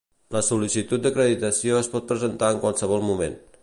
La sol·licitud d'acreditació es pot presentar en qualsevol moment.